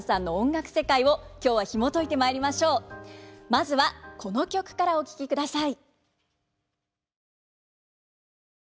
まずはこの曲からお聴きください。